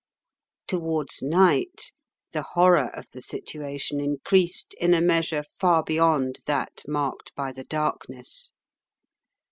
Towards night the horror of the situation increased in a measure far beyond that marked by the darkness.